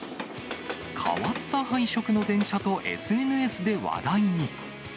変わった配色の電車とＳＮＳで話題に。